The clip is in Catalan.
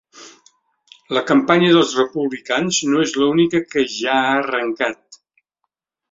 La campanya del republicans no és l’única que ja ha arrencat.